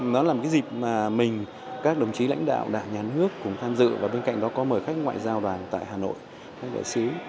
nó là một cái dịp mà mình các đồng chí lãnh đạo đã nhắn nước cũng tham dự và bên cạnh đó có mời khách ngoại giao vàng tại hà nội khách đại xứ